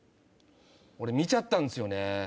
俺見ちゃったんですよね。